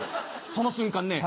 その瞬間ね